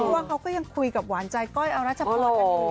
ตัวเขาก็ยังคุยกับหวานใจก่อยเอารัชพนธ์